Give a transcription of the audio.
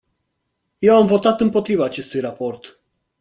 Eu am votat împotriva acestui raport.